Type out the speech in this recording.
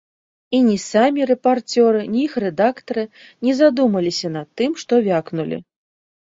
І ні самі рэпарцёры, ні іх рэдактары не задумаліся над тым, што вякнулі.